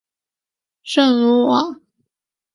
圣克鲁瓦。